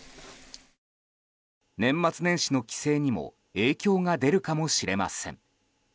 年末年始の帰省にも影響が出るかもしれません。